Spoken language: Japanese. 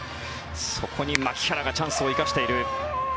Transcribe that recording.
そこに牧原がチャンスを生かしている。